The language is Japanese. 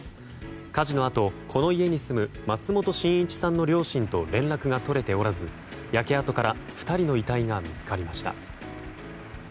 火事のあと、この家に住む松本信一さんの両親と連絡が取れておらず焼け跡から２人の遺体が見つかりました。